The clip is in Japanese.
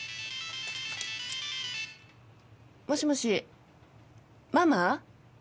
もしもしママ？